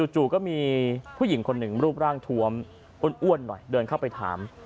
จู่ก็มีผู้หญิงคนหนึ่งรูปร่างทวมอ้วนหน่อยเดินเข้าไปถาม